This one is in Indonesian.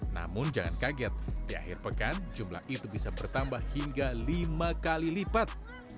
namun jangan kaget di akhir pekan jumlah itu bisa bertambah hingga lima kali lipat